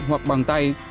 hoặc bằng tay